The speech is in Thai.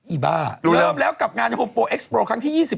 อีบ้าเริ่มแล้วกับงานโฮมโปรเอ็กซ์โปรครั้งที่๒๑